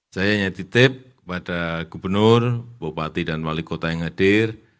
saya hanya titip kepada gubernur bupati dan wali kota yang hadir